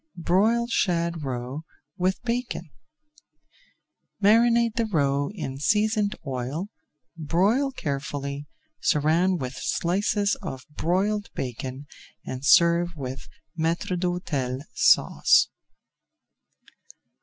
BROILED SHAD ROE WITH BACON Marinate the roe in seasoned oil, broil carefully, surround with slices of broiled bacon, and serve with Maître d'Hôtel Sauce.